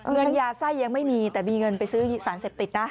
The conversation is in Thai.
เงินยาไส้ยังไม่มีแต่มีเงินไปซื้อสารเสพติดนะ